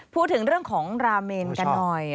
พูดถึงเรื่องของราเมนกันหน่อย